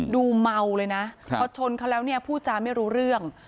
ดูเมาเลยนะเพราะชนเขาแล้วพูดจ้าไม่รู้เรื่อง